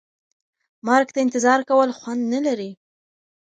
مرګ ته انتظار کول خوند نه لري.